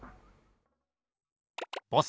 ボス